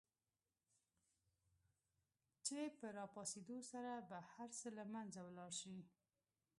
چې په را پاڅېدو سره به هر څه له منځه ولاړ شي.